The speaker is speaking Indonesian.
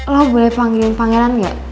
lo boleh panggilin pangeran gak